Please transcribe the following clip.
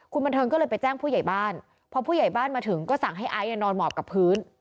คุณบันเทิงก็เลยไปแจ้งผู้ใหญ่บ้านพอผู้ใหญ่บ้านมาถึงก็สั่งให้ไอซ์นอนหมอบกับพื้น